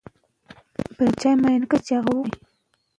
صفوي ایران تل هڅه کوله چې هرات بېرته ونيسي.